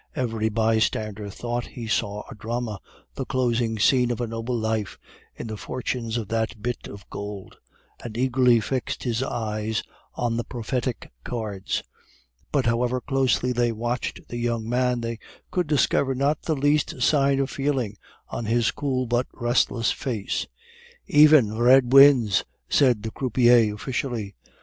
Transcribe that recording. Every bystander thought he saw a drama, the closing scene of a noble life, in the fortunes of that bit of gold; and eagerly fixed his eyes on the prophetic cards; but however closely they watched the young man, they could discover not the least sign of feeling on his cool but restless face. "Even! red wins," said the croupier officially.